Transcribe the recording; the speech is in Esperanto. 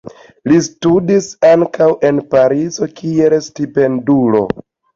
Li studis ankaŭ en Parizo kiel stipendiulo.